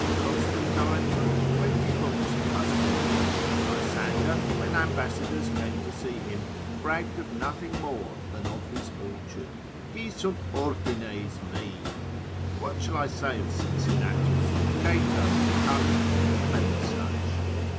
Constantine wrote twenty books of husbandry. Lysander, when ambassadors came to see him, bragged of nothing more than of his orchard, hi sunt ordines mei. What shall I say of Cincinnatus, Cato, Tully, and many such?